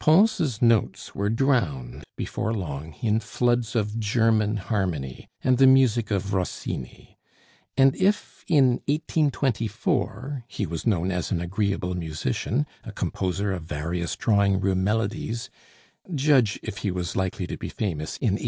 Pons' notes were drowned before long in floods of German harmony and the music of Rossini; and if in 1824 he was known as an agreeable musician, a composer of various drawing room melodies, judge if he was likely to be famous in 183l!